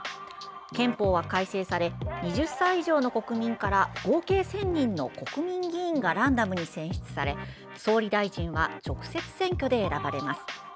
憲法は改正され２０歳以上の国民から合計１０００人の国民議員がランダムに選出され総理大臣は直接選挙で選ばれます。